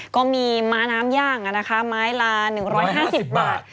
ก็มีม้าน้ำย่างไม้ละ๑๕๐บาท